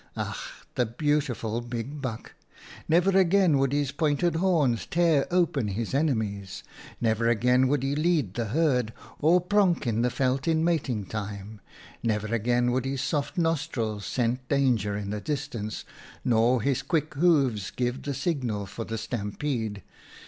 11 Ach ! the beautiful big buck ! Never again would his pointed horns tear open his enemies ! Never again would he lead the herd, or pronk in the veld in mating time ! Never again would his soft nostrils scent danger in the distance, nor his quick hoofs give the signal for the stampede